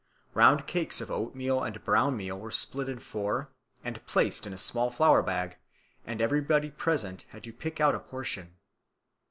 Round cakes of oatmeal and brown meal were split in four, and placed in a small flour bag, and everybody present had to pick out a portion.